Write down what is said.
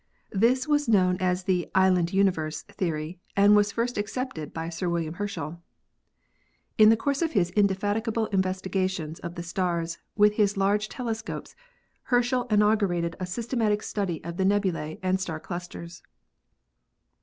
This was known as the "island universe" theory and was first accepted by Sir William Herschel. In the course of his indefatigable investigation of the stars with his large telescopes Herschel inaugurated a sys tematic study of the nebulae and star clusters.